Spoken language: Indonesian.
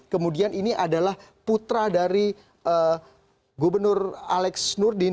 kemudian ini adalah putra dari gubernur alex nurdin